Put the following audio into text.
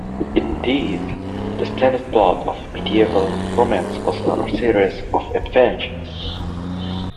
Indeed, the standard plot of Medieval romances was a series of adventures.